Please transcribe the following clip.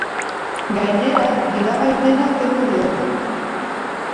Gainera, gidabaimena kendu diote.